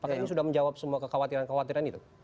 pak akmal tadi sudah menjawab semua kekhawatiran kekhawatiran itu